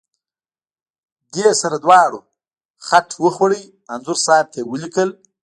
دې سره دواړو خټ وخوړه، انځور صاحب ته یې وکتل.